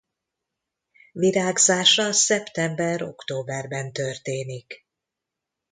Virágzása szeptember–októberben történik.